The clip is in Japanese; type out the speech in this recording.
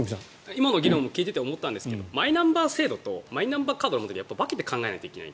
今の議論を聞いていて思ったんですけどマイナンバー制度とマイナンバーカードは分けて考えないといけない。